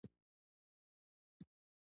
د پښتو ژبې لپاره کار کول یوه ملي مبارزه ده.